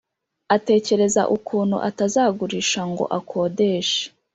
atekereza ukuntu atazagurisha ngo akodeshe